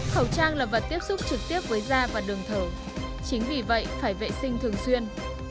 khẩu trang là vật tiếp xúc trực tiếp với da và đường thở chính vì vậy phải vệ sinh thường xuyên